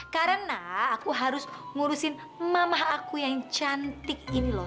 karena aku harus ngurusin mama aku yang cantik ini loh